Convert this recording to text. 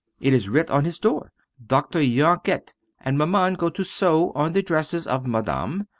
It is writ on his door, Dr. Yanket, and Maman go to sew on the dresses of Madame.